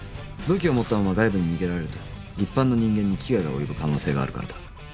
武器を持ったまま外部に逃げられると一般の人間に危害が及ぶ可能性があるからだ。